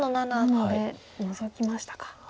なのでノゾきましたか。